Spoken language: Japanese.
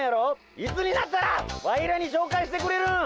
いつになったらワイらにしょうかいしてくれるん！？